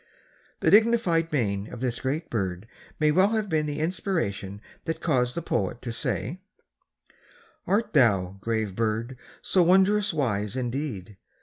The dignified mien of this great bird may well have been the inspiration that caused the poet to say, Art thou, grave bird! so wondrous wise indeed?